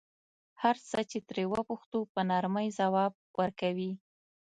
هر څه چې ترې وپوښتو په نرمۍ ځواب ورکوي.